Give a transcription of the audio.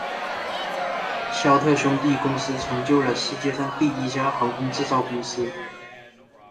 肖特兄弟公司成为了世界上第一家航空制造公司。